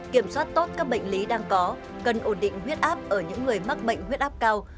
kiểm soát tốt các bệnh lý đang có cần ổn định huyết áp ở những người mắc bệnh huyết áp cao